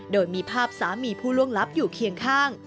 โดยมีภาพสามีผู้ล่วงลับอยู่เคียงข้าง